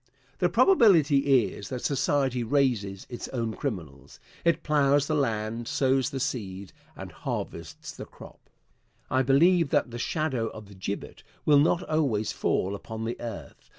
The probability is that society raises its own criminals. It plows the land, sows the seed, and harvests the crop. I believe that the shadow of the gibbet will not always fall upon the earth.